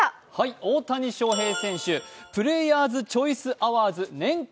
大谷翔平選手、プレーヤーズ・チョイス・アワーズ年間